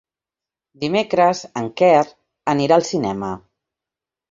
Dimecres en Quer anirà al cinema.